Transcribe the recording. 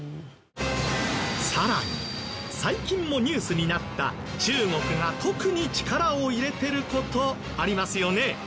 さらに最近もニュースになった中国が特に力を入れてる事ありますよね？